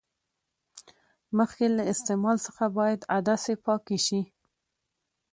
مخکې له استعمال څخه باید عدسې پاکې شي.